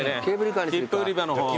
切符売り場の方向。